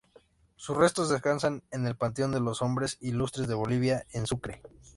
Sus restos descansan, en el Panteón de los Hombres Ilustres de Bolivia, en Sucre.